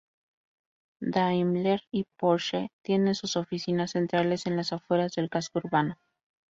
Daimler y Porsche tienen sus oficinas centrales en las afueras del casco urbano.